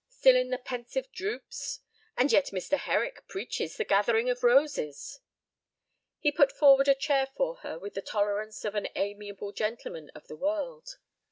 Still in the pensive droops? And yet Mr. Herrick preaches the gathering of roses!" He put forward a chair for her with the tolerance of an amiable gentleman of the world.